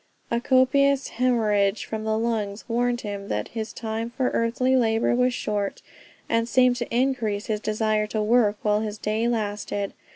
A copious hemorrhage from the lungs warned him that his time for earthly labor was short, and seemed to increase his desire to work while his day lasted.